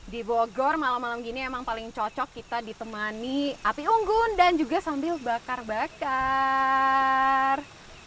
di bogor malam malam gini emang paling cocok kita ditemani api unggun dan juga sambil bakar bakar